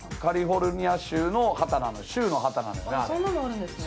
そんなのあるんですね。